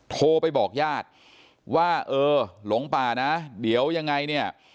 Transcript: โทรไปบอกญาติว่าเออหลงป่านะเดี๋ยวยังไงเนี่ย